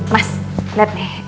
mas liat deh